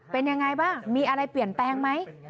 เป็นยังไงบ้างมีอะไรเปลี่ยนแปลงไหม